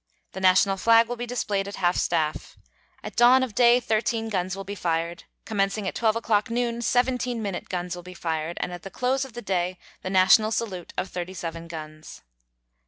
The national flag will be displayed at half staff. At dawn of day thirteen guns will be fired. Commencing at 12 o'clock noon seventeen minute guns will be fired, and at the close of the day the national salute of thirty seven guns.